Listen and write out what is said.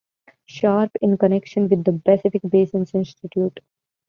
Sharpe in connection with the Pacific Basin Institute.